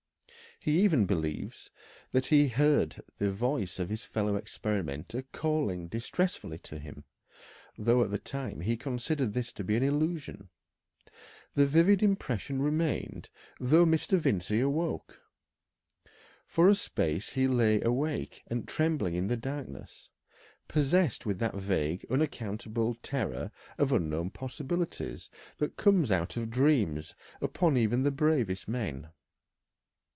He even believes that he heard the voice of his fellow experimenter calling distressfully to him, though at the time he considered this to be an illusion. The vivid impression remained though Mr. Vincey awoke. For a space he lay awake and trembling in the darkness, possessed with that vague, unaccountable terror of unknown possibilities that comes out of dreams upon even the bravest men.